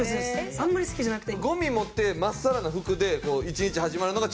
あんまり好きじゃなくて。